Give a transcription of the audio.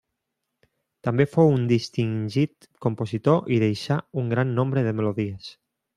També fou un distingit compositor i deixà un gran nombre de melodies.